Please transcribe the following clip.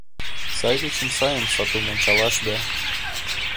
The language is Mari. Сай дечын сайым сатум ончалаш да